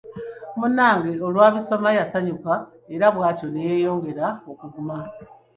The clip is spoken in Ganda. Munnange olwabisoma yasanyuka era bw'atyo ne yeeyongera okuguma.